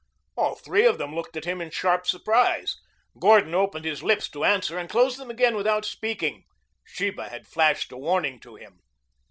All three of them looked at him in sharp surprise. Gordon opened his lips to answer and closed them again without speaking. Sheba had flashed a warning to him.